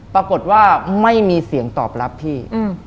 ปรากฏว่าไม่มีเสียงตอบรับพี่